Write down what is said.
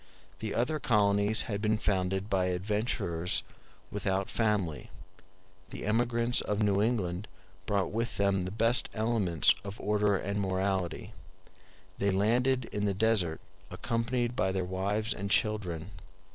The other colonies had been founded by adventurers without family; the emigrants of New England brought with them the best elements of order and morality—they landed in the desert accompanied by their wives and children.